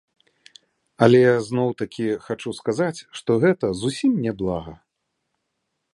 Але, зноў-такі, хачу сказаць, што гэта зусім не блага!